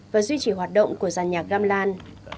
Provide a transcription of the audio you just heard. và duy trì hoạt động của giàn nhạc gamlan